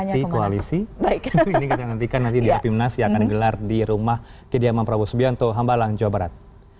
menekati koalisi ini kita nantikan nanti di rapimnas yang akan gelar di rumah kediaman prabu subianto hambalang jawa barat